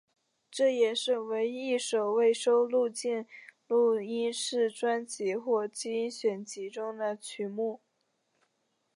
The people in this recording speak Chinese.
这也是唯一一首未收录进录音室专辑或精选集中的曲目。